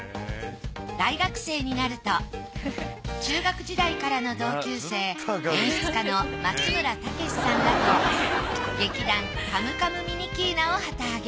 大学生になると中学時代からの同級生演出家の松村武さんらと劇団カムカムミニキーナを旗揚げ。